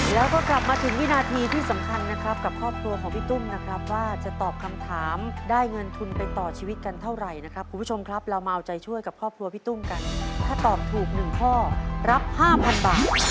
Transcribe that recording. แล้วก็กลับมาถึงวินาทีที่สำคัญนะครับกับครอบครัวของพี่ตุ้มนะครับว่าจะตอบคำถามได้เงินทุนไปต่อชีวิตกันเท่าไหร่นะครับคุณผู้ชมครับเรามาเอาใจช่วยกับครอบครัวพี่ตุ้มกันถ้าตอบถูกหนึ่งข้อรับ๕๐๐บาท